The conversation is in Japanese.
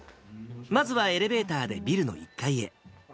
まずはエレベーターでビルの１階へ。